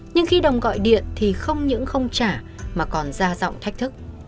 nhưng khi đồng gọi điện thì không những không trả mà còn ra giọng thách thức